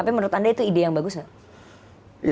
tapi menurut anda itu ide yang bagus nggak